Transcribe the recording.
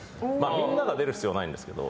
みんなが出る必要ないんですけど。